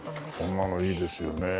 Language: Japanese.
こんなのいいですよね。